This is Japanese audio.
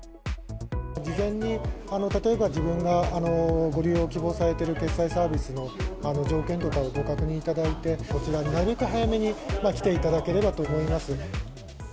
事前に例えば自分がご利用を希望されている決済サービスの条件とかをご確認いただいて、こちらになるべく早めに来ていただければと思います。